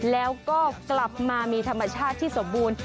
แล้วก็กลับมามีธรรมชาติที่สมบูรณ์